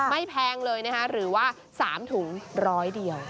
แพงเลยนะคะหรือว่า๓ถุงร้อยเดียว